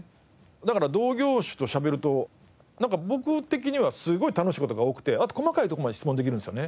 だから同業種と喋ると僕的にはすごい楽しい事が多くてあと細かいとこまで質問できるんですよね。